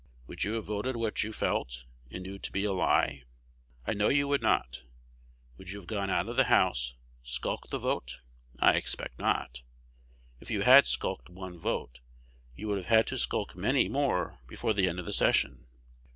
Would you have voted what you felt and knew to be a lie? I know you would not. Would you have gone out of the House, skulked the vote? I expect not. If you had skulked one vote, you would have had to skulk many more before the end of the session.